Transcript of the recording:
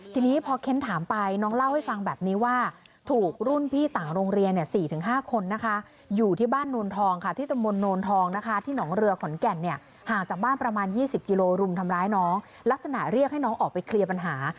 ทีนี้พอเค้นถามไปน้องเล่าให้ฟังแบบนี้ว่า